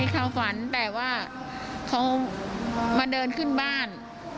เขาฝันแต่ว่าเขามาเดินขึ้นบ้าน